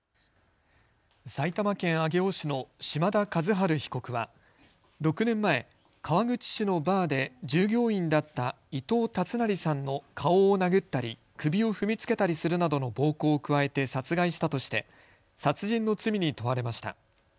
埼玉県上尾市の島田一治被告は６年前、川口市のバーで従業員だった伊藤竜成さんの顔を殴ったり首を踏みつけたりするなどの暴行を加えて殺害したとして殺人の罪に問われました。